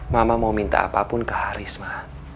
mama mau minta apapun ke haris ma